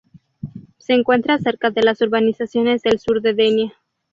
Se encuentra cerca de las urbanizaciones del sur de Denia.